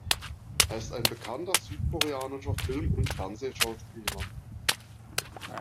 Er ist ein bekannter südkoreanischer Film- und Fernsehschauspieler.